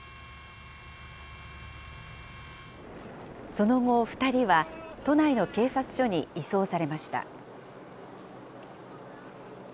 その後、２人は都内の警察署に移送されました。